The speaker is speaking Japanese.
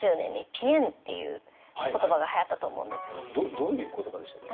どういう言葉でしたっけ？